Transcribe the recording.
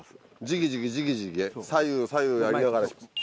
ジキジキジキジキ左右左右やりながら。